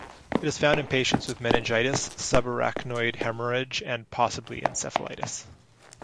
It is found in patients with meningitis, subarachnoid haemorrhage and possibly encephalitis.